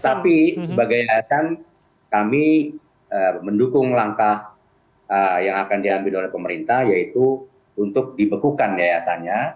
tapi sebagai yayasan kami mendukung langkah yang akan diambil oleh pemerintah yaitu untuk dibekukan yayasannya